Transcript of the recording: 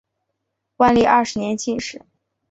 万历二十年进士。